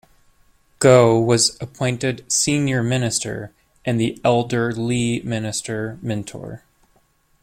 Goh was appointed Senior Minister, and the elder Lee Minister Mentor.